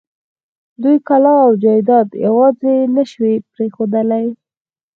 دوی کلا او جايداد يواځې نه شوی پرېښودلای.